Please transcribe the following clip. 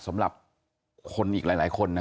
สำหรับคนอีกหลายคนนะ